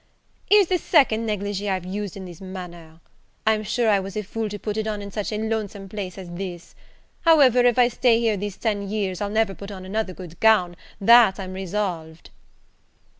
Here's the second negligee I've used in this manner! I'm sure I was a fool to put it on in such a lonesome place as this; however if I stay here these ten years, I'll never put on another good gown, that I'm resolved."